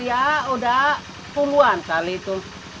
ya udah puluhan kali itu